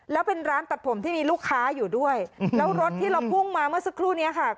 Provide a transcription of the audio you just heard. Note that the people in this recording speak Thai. แล้วเป็นร้านตัดผมที่มีลูกค้าอยู่ด้วยแล้วรถที่เราพุ่งมาเมื่อสักครู่นี้ค่ะ